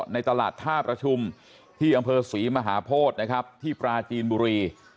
ในตลาดท่าประชุมที่อำเภอศรีมหาโพธินะครับที่ปราจีนบุรี